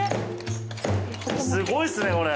すごいっすねこれ。